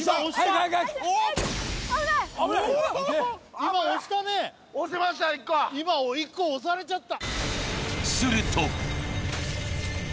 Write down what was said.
今、１個押されちゃった。